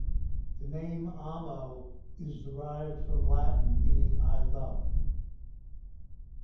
The name Amo is derived from Latin, meaning "I love".